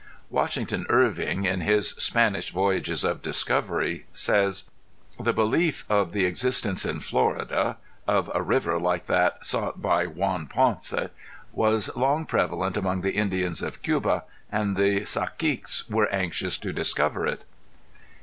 Washington Irving in his "Spanish Voyages of Discovery" says: "The belief of the existence in Florida, of a river like that sought by Juan Ponce, was long prevalent among the Indians of Cuba, and the caciques were anxious to discover it."